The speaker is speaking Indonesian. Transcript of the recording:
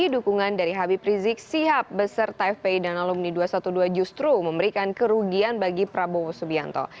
dukungan dari habib rizik sihab beserta fpi dan alumni dua ratus dua belas justru memberikan kerugian bagi prabowo subianto